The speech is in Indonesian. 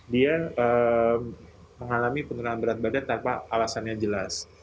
dia mengalami penurunan berat badan tanpa alasannya jelas